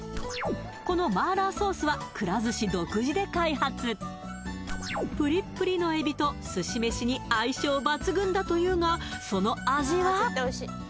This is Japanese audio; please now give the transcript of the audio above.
この麻辣ソースはくら寿司独自で開発プリップリのエビと寿司飯に相性抜群だというがその味は？